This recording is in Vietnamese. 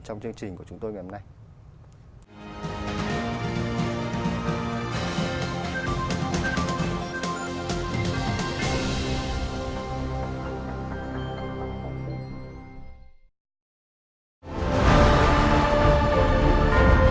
trong chương trình của chúng tôi ngày hôm nay